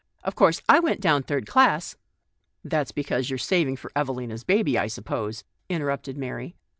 Of course, I went down third class "" That's because you are saving for Eve lina's baby, I suppose," interrupted Mary.